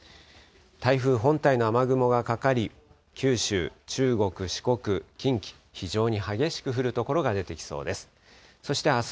台風本体の雨雲がかかり、九州、中国、四国、近畿、非常に激しく降る所が出てきそうです。